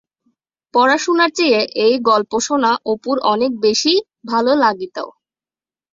পড়াশুনার চেয়ে এই গল্প শোনা অপুর অনেক বেশি ভালো লাগিতা।